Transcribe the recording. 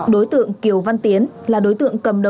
đối tượng kiều văn tiến là đối tượng cầm đầu của hh một a linh đàm